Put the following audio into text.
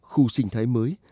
khu sinh thái mới